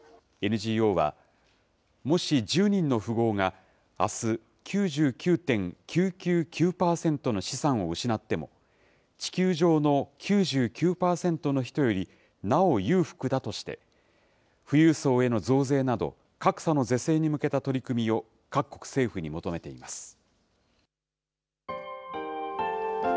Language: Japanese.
ＮＧＯは、もし１０人の富豪があす９９．９９９％の資産を失っても、地球上の９９％の人よりなお裕福だとして、富裕層への増税など、格差の是正に向けた取り組みを、各国政府に求めています。